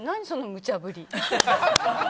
そのむちゃ振り。